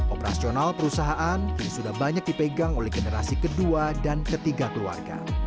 operasional perusahaan kini sudah banyak dipegang oleh generasi kedua dan ketiga keluarga